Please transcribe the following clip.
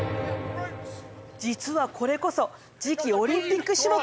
実はこれこそ次期オリンピック種目。